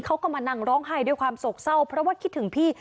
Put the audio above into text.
เขาก็มานั่งร้องไห้ด้วยความโศกเศร้าเพราะว่าคิดถึงพี่